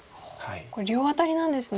これ両アタリなんですね。